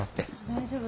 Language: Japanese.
大丈夫？